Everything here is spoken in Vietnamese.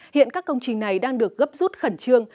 hiện các công trình này đang được gấp rút khẩn trương